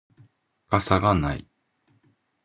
傘がない